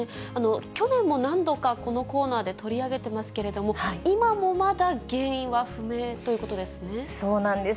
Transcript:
去年も何度かこのコーナーで取り上げてますけれども、今もまだ原そうなんです。